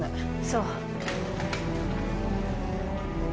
そう。